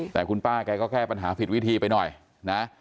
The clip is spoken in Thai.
แต่คุณป้าแกก็แก้ปัญหาผิดวิธีไปหน่อยนะ